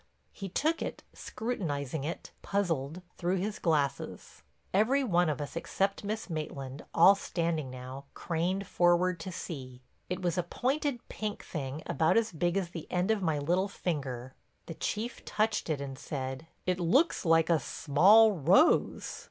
He took it, scrutinizing it, puzzled, through his glasses. Every one of us except Miss Maitland, all standing now, craned forward to see. It was a pointed pink thing about as big as the end of my little finger. The Chief touched it and said: "It looks like a small rose."